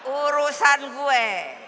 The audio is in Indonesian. uru san gue